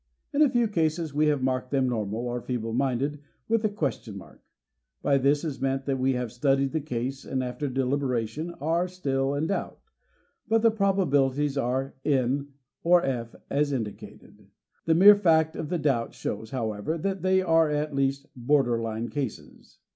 In a few cases, we have marked them normal or feeble minded, with a question mark. By this is meant that we have studied the case and after deliberation are still in doubt, but the prob abilities are " N " or " F " as indicated. The mere fact of the doubt shows, however, that they are at least border line cases.